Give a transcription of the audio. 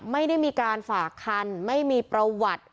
ไม่ได้มีการฝากคันไม่มีประวัติ